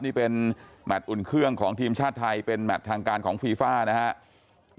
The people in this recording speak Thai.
นี่เป็นแมทอุ่นเครื่องของทีมชาติไทยเป็นแมททางการของฟีฟ่านะครับ